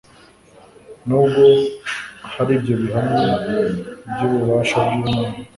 Nubwo hari ibyo bihamya byububasha bwImana